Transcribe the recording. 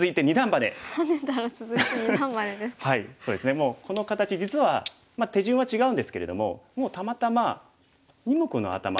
もうこの形実は手順は違うんですけれどももうたまたま二目のアタマ